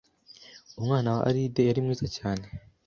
Umwana wa Alide yari mwiza cyane